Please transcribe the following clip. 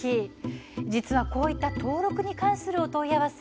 実はこういった登録に関するお問い合わせ